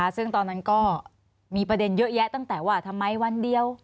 ซึ่งตอนนั้นก็มีประเด็นเยอะแยะตั้งแต่ว่าทำไมวันเดียว